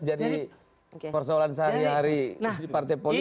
jadi persoalan sehari hari di partai politik